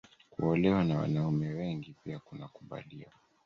Kuolewa na wanaume wengi pia kunakubaliwa